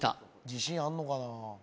自信あんのかな？